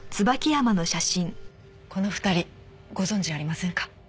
この２人ご存じありませんか？